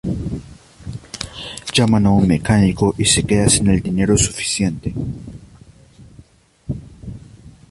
Llaman a un mecánico y se queda sin el dinero suficiente.